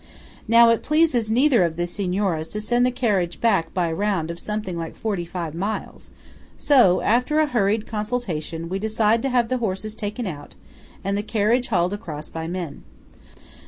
Now it pleases neither of the Signoras to send the carriage back by a round of something like forty five miles; so, after a hurried consultation, we decide to have the horses taken out, and the carriage hauled across by men.